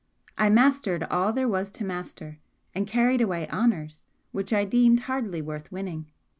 I mastered all there was to master, and carried away 'honours' which I deemed hardly worth winning.